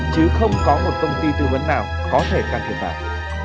chứ không có một công ty tư vấn nào có thể can thiệp vào